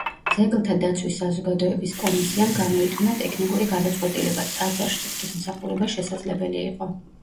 ძეგლთა დაცვის საზოგადოების კომისიამ გამოიტანა ტექნიკური გადაწყვეტილება: ტაძარში ღვთისმსახურება შესაძლებელი იყო.